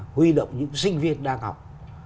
huy động những sinh viên đang học